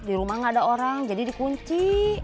di rumah gak ada orang jadi dikunci